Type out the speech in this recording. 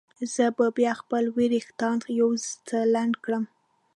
زه به بیا خپل وریښتان یو څه لنډ کړم.